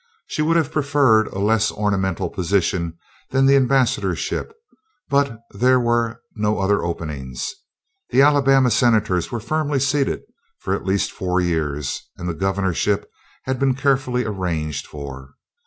She would have preferred a less ornamental position than the ambassadorship, but there were no other openings. The Alabama senators were firmly seated for at least four years and the Governorship had been carefully arranged for.